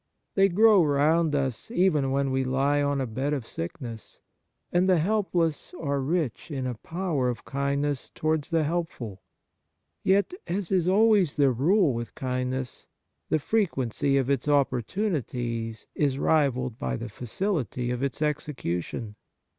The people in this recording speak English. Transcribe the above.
They grow round us even when we lie on a bed of sickness, and the helpless are rich in a power of kindness towards the helpful. Yet, as is always the rule with kindness, the frequency of its opportunities is rivalled by the facility of its execution.